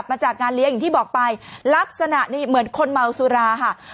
ปรากฏว่าสิ่งที่เกิดขึ้นคลิปนี้ฮะ